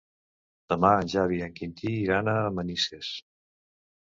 Demà en Xavi i en Quintí iran a Manises.